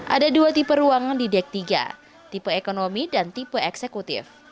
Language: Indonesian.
ada dua tipe ruangan di dek tiga tipe ekonomi dan tipe eksekutif